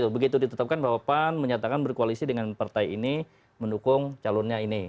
begitu ditetapkan bahwa pan menyatakan berkoalisi dengan partai ini mendukung calonnya ini